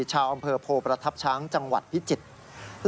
ชาวอำเภอโพประทับช้างจังหวัดพิจิตร